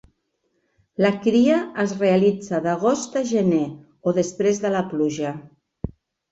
La cria es realitza d'agost a gener, o després de la pluja.